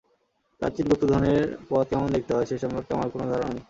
প্রাচীন গুপ্তধনের পথ কেমন দেখতে হয়, সেসম্পর্কে আমার কোনো ধারণা নেই।